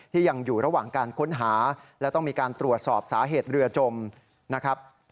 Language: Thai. ยังอยู่ระหว่างการค้นหาและต้องมีการตรวจสอบสาเหตุเรือจมนะครับ